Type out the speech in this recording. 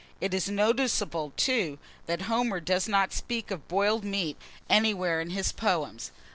It is noticeable, too, that Homer does not speak of boiled meat anywhere in his poems.